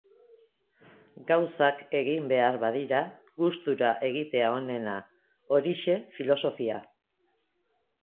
Gauzak egin behar badira, gustura egitea onena, horixe filosofia.